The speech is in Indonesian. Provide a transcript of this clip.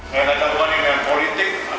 saya tidak ada masalah